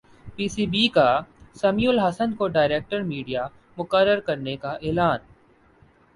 پی C B کا سمیع الحسن کو director media مقرر کرنے کا اعلان